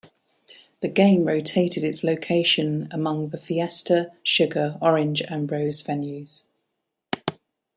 The game rotated its location among the Fiesta, Sugar, Orange, and Rose venues.